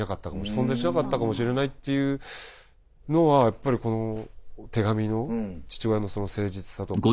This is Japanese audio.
存在しなかったかもしれないっていうのはやっぱりこの手紙の父親のその誠実さとか。